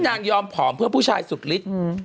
ยอมผอมเพื่อผู้ชายสุดฤทธิ์